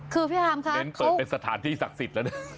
เน้นเปิดเป็นสถานที่ศักดิ์สิทธิ์แล้วนะครับ